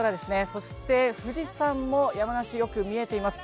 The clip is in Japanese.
そして富士山も山梨よく見えています。